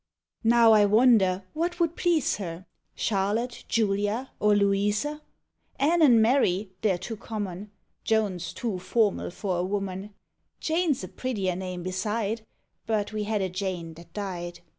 Now I wonder what would please her, — Charlotte, Julia, or Louisa? Ann and Mary, they 're too common; Joan 's too formal for a woman; Jane 'a a prettier name beside; But we had a Jane that died.